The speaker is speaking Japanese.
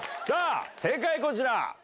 さぁ正解こちら。